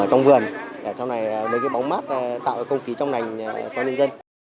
ở trong vườn để trong này lấy cái bóng mát tạo công khí trong lành cho nhân dân